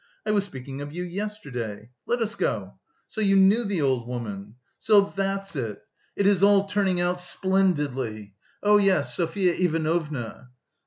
I was speaking of you yesterday. Let us go. So you knew the old woman? So that's it! It is all turning out splendidly.... Oh, yes, Sofya Ivanovna..."